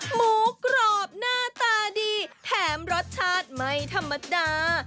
หมูกรอบหน้าตาดีแถมรสชาติไม่ธรรมดา